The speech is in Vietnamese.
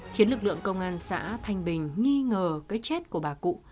khiến lực lượng công an xã thanh bình nghi ngờ cái chết của bà cụ